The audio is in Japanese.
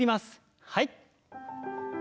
はい。